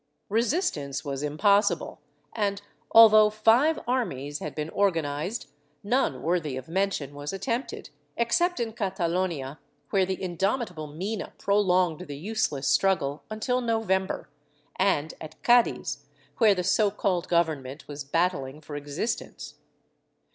Resistance was impossible and, although five armies had been organized, none worthy of mention was attempted, except in Catalonia, where the indomitable Mina prolonged the useless struggle until November, and at Cadiz, where the so called Government was battling for existence.